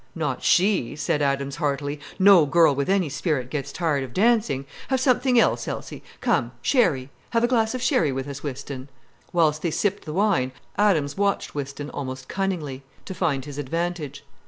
"Not she," said Adams heartily. "No girl with any spirit gets tired of dancing.—Have something else, Elsie. Come—sherry. Have a glass of sherry with us, Whiston." Whilst they sipped the wine, Adams watched Whiston almost cunningly, to find his advantage.